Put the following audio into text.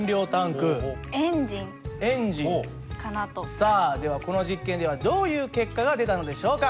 さあではこの実験ではどういう結果が出たのでしょうか？